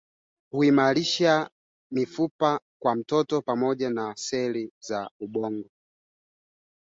Katika mahojiano ya Jumapili ,msemaji wao alisema chama chake hakijafurahishwa na upendeleo wa tume ya uchaguzi ya Zimbabwe.